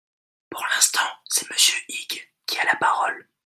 Pour l’instant, c’est Monsieur Huyghe qui a la parole.